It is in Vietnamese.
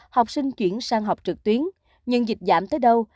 học sinh chuyển sang học trực tuyến nhưng dịch giảm tới đâu